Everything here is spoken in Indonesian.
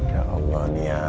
ya allah nia